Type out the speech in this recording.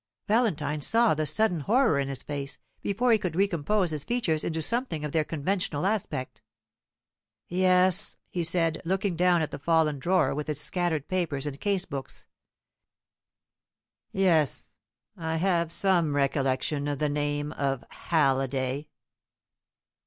Valentine saw the sudden horror in his face, before he could recompose his features into something of their conventional aspect. "Yes," he said, looking down at the fallen drawer with its scattered papers and case books, "yes, I have some recollection of the name of Halliday."